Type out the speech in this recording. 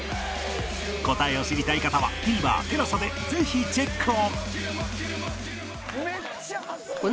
答えを知りたい方は ＴＶｅｒＴＥＬＡＳＡ でぜひチェックを